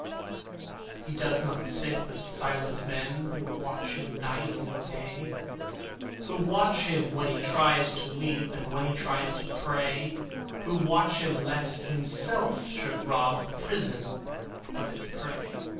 He does not sit with silent men Who watch him night and day; Who watch him when he tries to weep, And when he tries to pray; Who watch him lest himself should rob The prison of its prey.